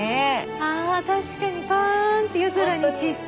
あ確かにパンって夜空に散って。